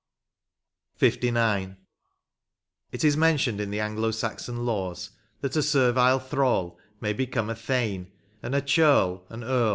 118 LIX. It is mentioned in the Anglo Saxon laws that a servile thrael may hecome a thane^ and a ceorl an eod.